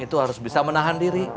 itu harus bisa menahan diri